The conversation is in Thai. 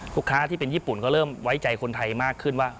ที่เป็นญี่ปุ่นก็เริ่มไว้ใจคนไทยมากขึ้นว่า